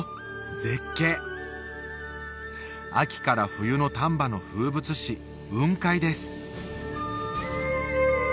絶景秋から冬の丹波の風物詩雲海です